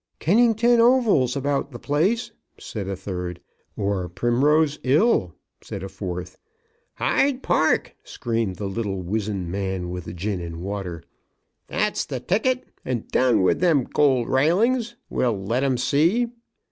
"Kennington Oval's about the place," said a third. "Or Primrose 'ill," said a fourth. "Hyde Park!" screamed the little wizen man with the gin and water. "That's the ticket; and down with them gold railings. We'll let' em see!"